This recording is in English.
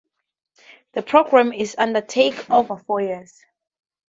The programme is undertaken over four years.